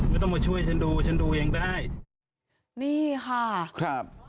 ก็ต้องมาช่วยฉันดูฉันดูเองได้นี่ค่ะครับ